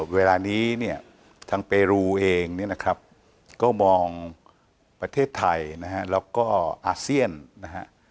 เวลานี้เนี่ยทางเปรูเองเนี่ยนะครับก็มองประเทศไทยนะฮะแล้วก็อาเซียนนะฮะ